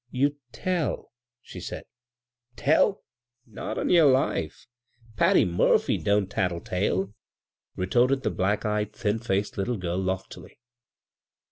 *' You'd tell," she said. '* Tell ? Not on yer life ! Patty Murphy don't tattle tale," retorted the black eyed, thin faced litde girl, loftily.